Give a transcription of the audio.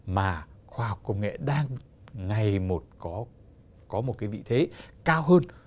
mà khoa học công nghệ đang ngày một có một cái vị thế cao hơn